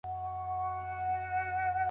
هیڅوک نسي کولای د چا حق غصب کړي.